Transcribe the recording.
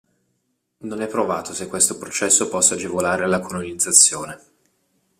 Non è provato se questo processo possa agevolare la colonizzazione.